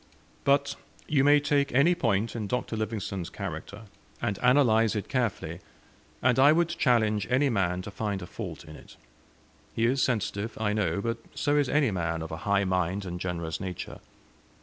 But you may take any point in Dr. Livingstone's character, and analyse it carefully, and I would challenge any man to find a fault in it. He is sensitive, I know; but so is any man of a high mind and generous nature.